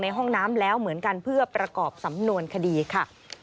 ห้องน้ำแล้วเหมือนกันเพื่อประกอบสำนวนคดีค่ะ